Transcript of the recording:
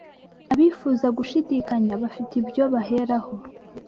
Abifuza gushidikanya bafite ibyo baheraho